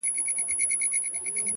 خاموش عمل تر شعار قوي دی,